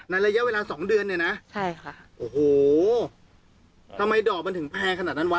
ระยะเวลาสองเดือนเนี่ยนะใช่ค่ะโอ้โหทำไมดอกมันถึงแพงขนาดนั้นวะ